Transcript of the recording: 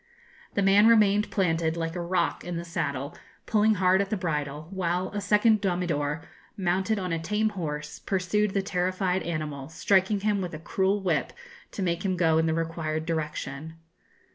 The man remained planted, like a rock, in the saddle, pulling hard at the bridle, while a second domidor, mounted on a tame horse, pursued the terrified animal, striking him with a cruel whip to make him go in the required direction.